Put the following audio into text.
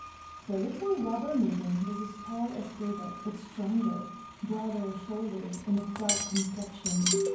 The little Robber maiden was as tall as Gerda, but stronger, broader shouldered, and of dark complexion.